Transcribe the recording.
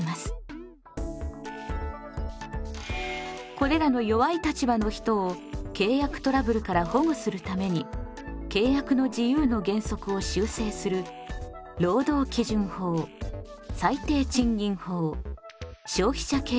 これらの弱い立場の人を契約トラブルから保護するために契約の自由の原則を修正する労働基準法最低賃金法消費者契約法